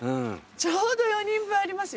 ちょうど４人分ありますよ。